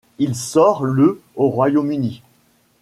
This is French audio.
Il sort le au Royaume-Uni.